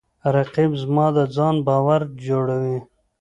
رقیب زما د ځان باور جوړوي